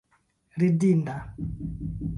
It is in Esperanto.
ridinda